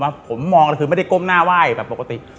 ผมมองแล้วคือไม่ได้ก้มหน้าไหว้แบบปกติ